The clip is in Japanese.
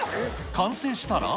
完成したら。